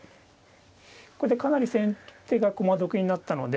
これでかなり先手が駒得になったので。